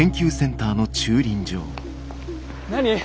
何？